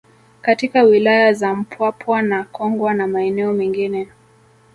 Katika wilaya za Mpwapwa na Kongwa na maeneo mengine